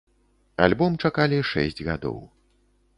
Альбом чакалі шэсць гадоў.